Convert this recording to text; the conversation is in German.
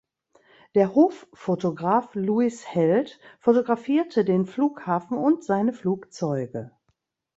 Der Hoffotograf Louis Held fotografierte den Flughafen und seine Flugzeuge.